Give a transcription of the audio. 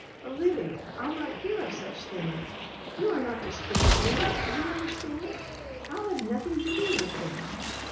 'Olivia, I'll not hear of such things! You are not to speak of them, do you understand! I'll have nothing to do with them